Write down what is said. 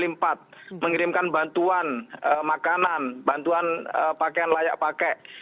mengirimkan bantuan makanan bantuan pakaian layak pakai